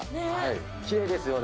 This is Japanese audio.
きれいですよね。